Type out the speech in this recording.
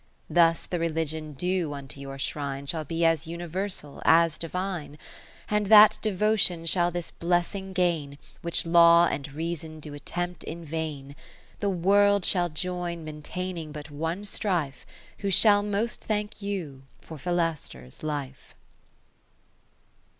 Thus the religion due unto your shrine Shall be as universal, as divine : And that Devotion shall this bless ing gain, Which Law and Reason do attempt in vain, 40 The world shall join, maintaining but one strife, Who shall most thank you for Philaster's hfe.